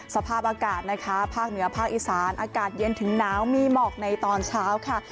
สภาพอากาศนะคะภาคเหนือภาคอีสานอากาศเย็นถึงหนาวมีหมอกในตอนเช้าค่ะ